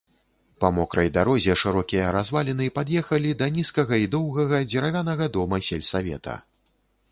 Па мокрай дарозе шырокія разваліны пад'ехалі да нізкага і доўгага дзеравянага дома сельсавета.